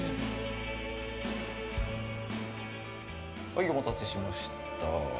お待たせしました。